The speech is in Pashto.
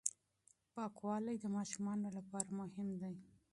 پاکوالی د ماشومانو لپاره مهم دی.